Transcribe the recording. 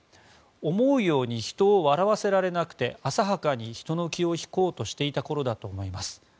思うように人を笑わせられなくて浅はかに人の気を引こうとしていたころだと思います。